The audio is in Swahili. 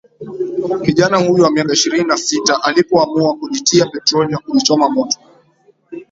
kijana huyu wa miaka ishirini na sita alipo amua kujitia petroli na kujichoma moto